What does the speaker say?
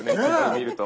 見ると。